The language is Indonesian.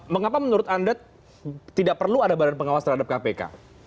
mengapa menurut anda tidak perlu ada badan pengawas terhadap kpk